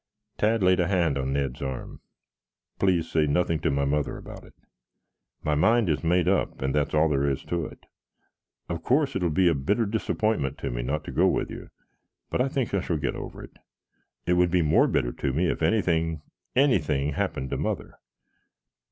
Tad laid a hand on Ned's arm. "Please say nothing to my mother about it. My mind is made up, and that's all there is to it. Of course, it will be a bitter disappointment to me not to go with you, but I guess I shall get over it. It would be more bitter to me if anything anything happened to mother."